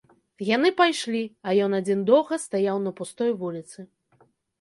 Яны пайшлі, а ён адзін доўга стаяў на пустой вуліцы.